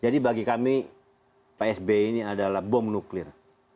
jadi bagi kami pak sby ini adalah bom nuklir